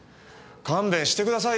勘弁してくださいよ